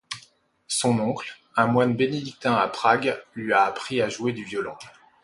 Son oncle, un moine bénédictin à Prague, lui a appris à jouer du violon.